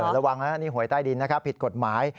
ระวังนะนี่หวยใต้ดินนะครับผิดกฎหมาย